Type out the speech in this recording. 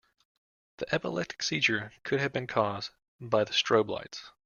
The epileptic seizure could have been cause by the strobe lights.